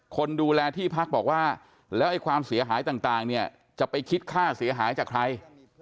คนดูแลที่พักบอกว่าแล้วไอ้ความเสียหายต่างเนี่ยจะไปคิดค่าเสียหายจากใคร